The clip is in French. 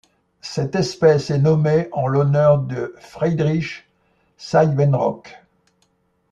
Cette espèce est nommée en l'honneur de Friedrich Siebenrock.